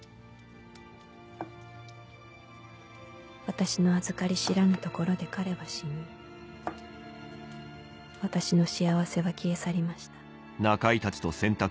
「私の預かり知らぬところで彼は死に私の幸せは消え去りました」。